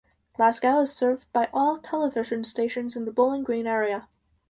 Glasgow is served by all television stations in the Bowling Green area.